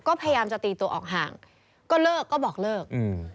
ก็พยายามจะตีตัวออกห่างก็เลิกก็บอกเลิกอืม